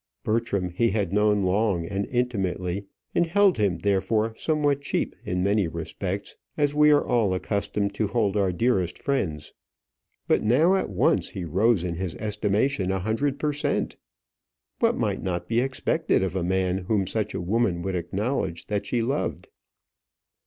Bertram he had known long and intimately, and held him therefore somewhat cheap in many respects, as we are all accustomed to hold our dearest friends. But now, at once he rose in his estimation a hundred per cent. What might not be expected of a man whom such a woman would acknowledge that she loved?